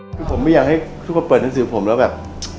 คือผมไม่อยากให้ทุกคนเปิดหนังสือผมแล้วแบบ